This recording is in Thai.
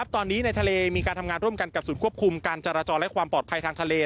ตอนนี้ในทะเลมีการทำงานร่วมกันกับศูนย์ควบคุมการจราจรและความปลอดภัยทางทะเล